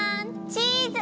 チーズ！